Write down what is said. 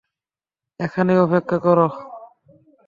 এখানেই অপেক্ষা করো।